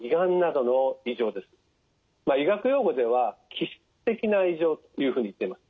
医学用語では器質的な異常というふうにいっています。